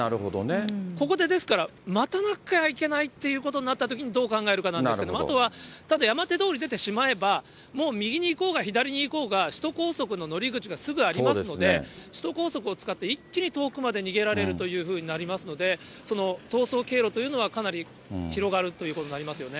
ここでですから、待たなきゃいけないってなったときに、どう考えるかなんですけども、あとは、ただ山手通りに出てしまえば、もう右に行こうが、左に行こうが、首都高速の乗り口がすぐありますので、首都高速を使って、一気に遠くまで逃げられるというふうになりますので、その逃走経路というのは、かなり広がるということになりますよね。